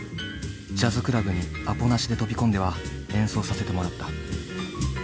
ジャズクラブにアポなしで飛び込んでは演奏させてもらった。